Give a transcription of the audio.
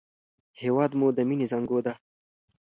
هېواد مو د مینې زانګو ده